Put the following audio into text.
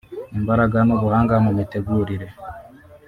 imbaraga n’ubuhanga mu mitegurire